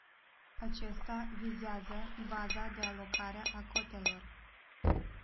Acesta vizează baza de alocare a cotelor.